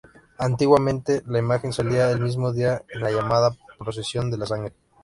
Antiguamente, la imagen salía el mismo día en la llamada ""Procesión de la Sangre"".